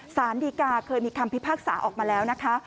สารดีกาเคยมีคำพิพากษาออกมาแล้วนะคะ